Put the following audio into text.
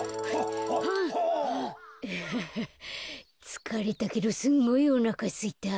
つかれたけどすんごいおなかすいた。